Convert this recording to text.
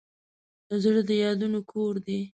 زړه د یادونو کور دی.